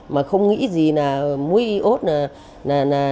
mà không nghĩ gì là muối iốt là nó